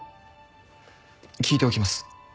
聞いておきます。